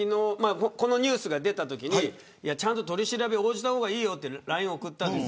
このニュースが出たときにちゃんと取り調べに応じた方がいいよとＬＩＮＥを送ったんです。